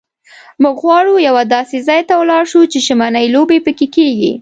موږ غواړو یوه داسې ځای ته ولاړ شو چې ژمنۍ لوبې پکښې کېږي.